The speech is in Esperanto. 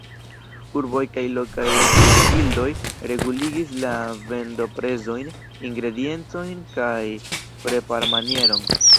Urboj kaj lokaj biergildoj reguligis la vendoprezojn, ingrediencojn kaj preparmanieron.